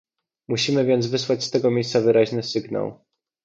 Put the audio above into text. Musimy więc wysłać z tego miejsca wyraźny sygnał